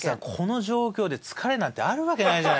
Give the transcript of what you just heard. この状況で疲れなんてあるわけないじゃないですか。